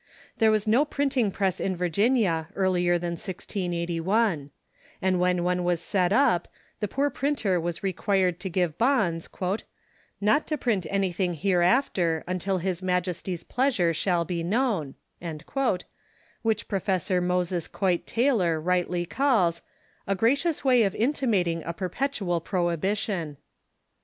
There was no Virginia ..''''.,^...,.,,, prniting press in \ irginia earlier than 1681 ; and when one was set up, the poor printer was required to give bonds "not to print anything hereafter, until his majesty's pleasure shall bo known," which Professor Moses Coit Tyler rightly calls "a gracious Avay of intimating a perpetual prohibition."